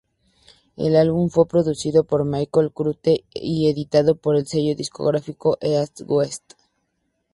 El álbum fue producido por Michael Cretu y editado por el sello discográfico EastWest.